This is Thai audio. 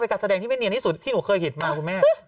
โดยการแสดงที่ไม่เนียนนิสุภ์ที่หนูเคยเห็นมาครูแม่